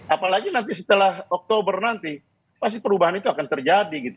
apalagi nanti setelah oktober nanti pasti perubahan itu akan terjadi gitu